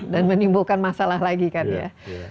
dan menimbulkan masalah lagi kan ya